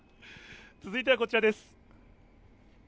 続いてはこちらです。